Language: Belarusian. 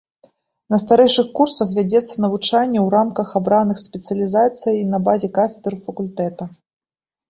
На старэйшых курсах вядзецца навучанне ў рамках абраных спецыялізацый на базе кафедр факультэта.